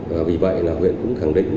và vì vậy là huyện cũng khẳng định